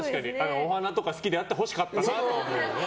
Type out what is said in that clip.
お花とか好きであってほしかったと思うよね。